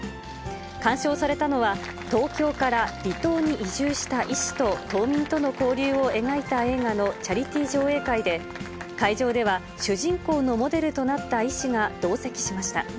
鑑賞されたのは、東京から離島に移住した医師と島民との交流を描いた映画のチャリティー上映会で、会場では主人公のモデルとなった医師が同席しました。